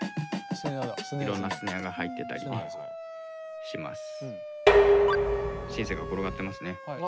いろんなスネアが入ってたりします。